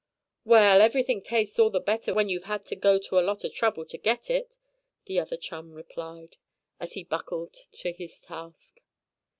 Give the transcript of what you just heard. "Well, everything tastes all the better when you've had to go to a lot of trouble to get it," the other chum replied, as he buckled to his task.